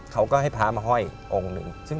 เขาก็ให้พระมาห้อยองค์หนึ่ง